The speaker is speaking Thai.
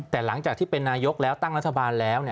แต่หลังจากที่เป็นนายกแล้วตั้งรัฐบาลแล้ว